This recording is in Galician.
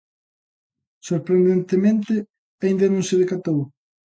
Sorprendentemente, aínda non se decatou.